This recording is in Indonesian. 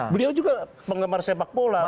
beliau juga penggemar sepak bola